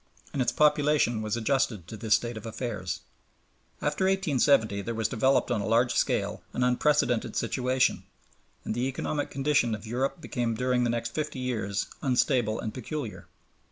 And its population was adjusted to this state of affairs. After 1870 there was developed on a large scale an unprecedented situation, and the economic condition of Europe became during the next fifty years unstable and peculiar.